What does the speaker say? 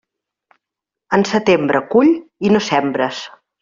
En setembre cull i no sembres.